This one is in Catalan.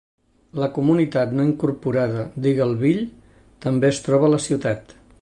La comunitat no incorporada d'Eagleville també es troba a la ciutat.